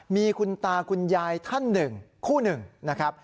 มีคุณตาคุณยายท่านหนึ่งคู่หนึ่งนะครับ